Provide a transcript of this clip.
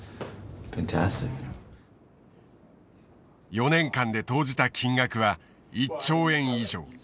４年間で投じた金額は１兆円以上。